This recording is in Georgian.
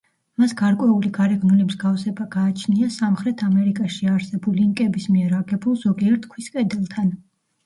მას გარკვეული გარეგნული მსგავსება გააჩნია სამხრეთ ამერიკაში არსებულ ინკების მიერ აგებულ ზოგიერთ ქვის კედელთან.